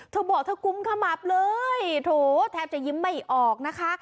เธอบอกเธอกุมขมับเลยโถแทบจะยิ้มไม่ออกนะคะ